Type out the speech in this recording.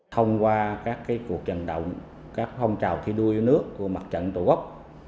thông qua các cuộc trận động các phong trào thi đuôi nước của mặt trận tổ quốc